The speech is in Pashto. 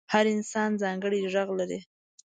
هر انسان ځانګړی غږ لري.